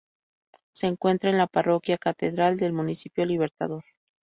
Se encuentra en la Parroquia Catedral del Municipio Libertador.